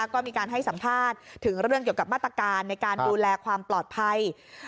ก็มีการให้สัมภาษณ์ถึงเรื่องเกี่ยวกับมาตรการในการดูแลความปลอดภัย